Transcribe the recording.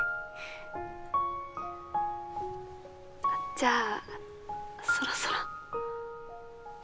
じゃあそろそろ。